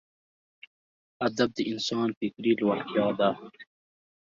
ادب د انسان فکري لوړتیا ده.